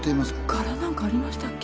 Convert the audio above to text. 柄なんかありましたっけ